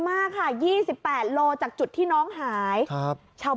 ป้าของน้องธันวาผู้ชมข่าวอ่อน